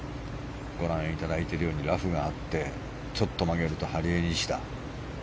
ご覧いただいているようにラフがあってちょっと曲げるとハリエニシダ。